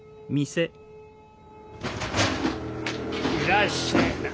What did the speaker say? いらっしゃい。